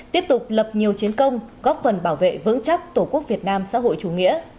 tiếp tục lập nhiều chiến công góp phần bảo vệ vững chắc tổ quốc việt nam xã hội chủ nghĩa